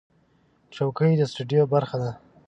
چوکۍ د سټوډیو برخه ده.